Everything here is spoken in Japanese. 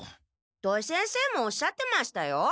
土井先生もおっしゃってましたよ。